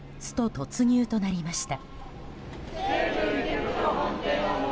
突入となりました。